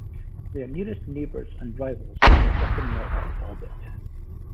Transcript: Their nearest neighbours and rivals are Auchinleck Talbot.